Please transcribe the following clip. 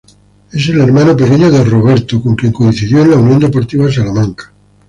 Es el hermano pequeño de Robert, con quien coincidió en la Unión Deportiva Salamanca.